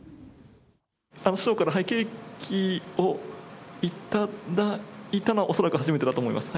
師匠からケーキを頂いたのは、恐らく初めてだと思います。